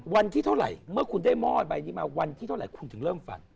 วันที่เท่าไหร่เมื่อคุณได้หม้อใบนี้มาวันที่เท่าไหร่คุณถึงเริ่มฝัน